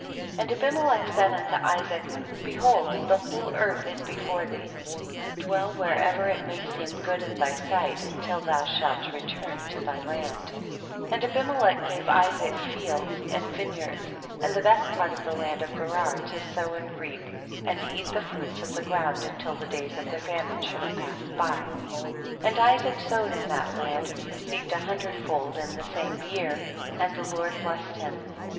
13. And Abimelech said unto Isaac, behold the whole earth is be fore thee ; dwell wherever it may seem good in thy sight until thou shalt return to thy land ; and Abime lech gave Isaac fields and vineyards and the best part of the land of Ge rar, to sow and reap and eat the fruits of the ground until the days of the famine should have passed by. 14. And Isaac sowed in tiiat land, and received a hundred fold in the same year, and the Lord blessed him.